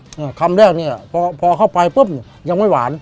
อืมคำแรกเนี้ยพอพอเข้าไปปุ๊บยังไม่หวาน